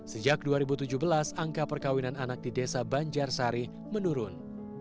sejak dua ribu tujuh belas angka perkawinan anak di desa banjarsari menurun